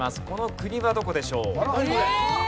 この国はどこでしょう？